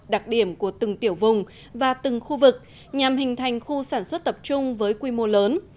đặc điểm của từng tiểu vùng và từng khu vực nhằm hình thành khu sản xuất tập trung với quy mô lớn